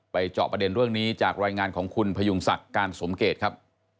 เจาะประเด็นเรื่องนี้จากรายงานของคุณพยุงศักดิ์การสมเกตครับ